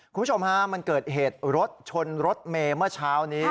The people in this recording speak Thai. คุณผู้ชมฮะมันเกิดเหตุรถชนรถเมย์เมื่อเช้านี้